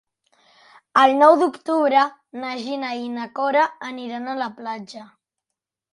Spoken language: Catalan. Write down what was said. El nou d'octubre na Gina i na Cora aniran a la platja.